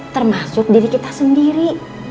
termasuk diri kita sendiri